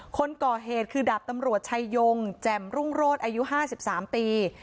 คนก่อเหตุคือดาบตำรวจชายงแจ่มรุ่งโรศอายุ๕๓ปี